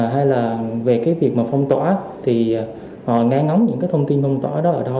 hay là về việc phong tỏa họ ngang ngóng những thông tin phong tỏa đó ở đâu